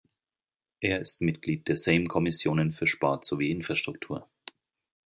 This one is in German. Er ist Mitglied der Sejm-Kommissionen für Sport sowie Infrastruktur.